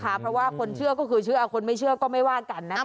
เพราะว่าคนเชื่อก็คือเชื่อคนไม่เชื่อก็ไม่ว่ากันนะคะ